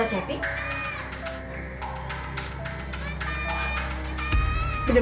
oh bapak jot solo